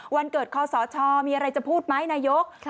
วันเกิดคอสชมีอะไรจะพูดไหมนายก